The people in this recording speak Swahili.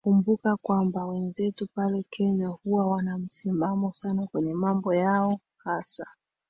kumbuka kwamba wenzetu pale kenya huwa wana msimamo sana kwenye mambo yao hasa